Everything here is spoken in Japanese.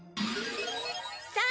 さあ